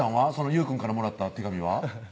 雄くんからもらった手紙は？